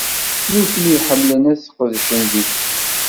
Nutni ḥemmlen ad sqejqijen deg-s.